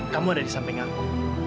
kamu ada di samping aku